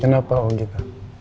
kenapa oh gitu